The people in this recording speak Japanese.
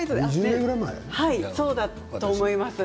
そうだと思います。